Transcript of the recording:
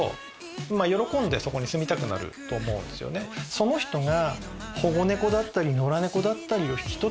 その人が。